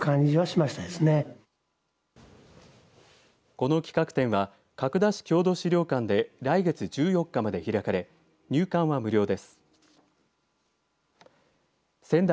この企画展は角田市郷土資料館で来月１４日まで開かれ入館は無料です。